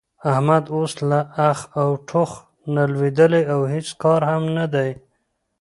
احمد اوس له اخ او ټوخ نه لوېدلی د هېڅ کار هم نه دی.